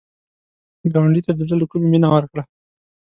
ګاونډي ته د زړه له کومي مینه ورکړه